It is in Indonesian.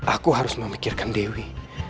aku harus memikirkan dewi